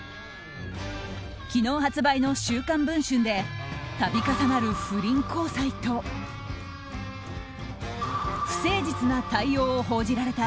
昨日、発売の「週刊文春」で度重なる不倫交際と不誠実な対応を報じられた